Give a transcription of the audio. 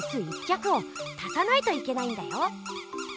きゃくを足さないといけないんだよ。